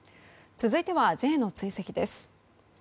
続いてはＪの追跡です。